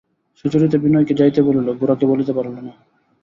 সুচরিতা বিনয়কে যাইতে বলিল, গোরাকে বলিতে পারিল না।